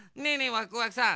ワクワクさん。